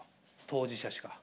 当事者しか。